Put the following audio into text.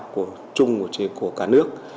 của chung của cả nước